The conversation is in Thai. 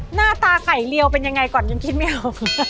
หน้าตาไข่เรียวเป็นยังไงก่อนยังคิดไม่ออก